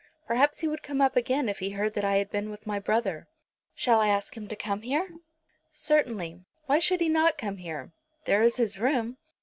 Perhaps he would come up again if he heard that I had been with my brother." "Shall I ask him to come here?" "Certainly. Why should he not come here? There is his room.